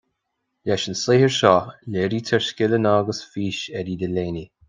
Leis an saothar seo léirítear scileanna agus fís Eddie Delaney